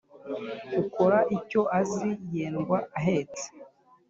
Ukora icyo azi yendwa ahetse.